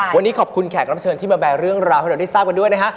วันนี้ขอบคุณแขกรับเชิญที่มาแบร์เรื่องราวให้เราได้ทราบกันด้วยนะฮะ